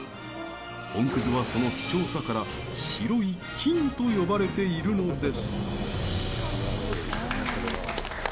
本葛はその貴重さから「白い金」と呼ばれているのです。